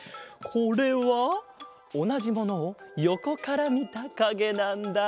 これはおなじものをよこからみたかげなんだ。